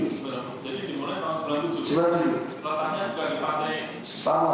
pulau panggalar juga dipandai